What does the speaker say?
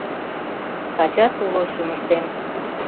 Тачат уло шӱмыштем.